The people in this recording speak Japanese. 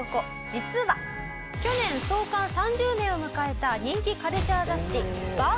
実は去年創刊３０年を迎えた人気カルチャー雑誌えっ？